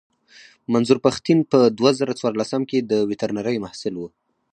منظور پښتين په دوه زره څوارلسم کې د ويترنرۍ محصل و.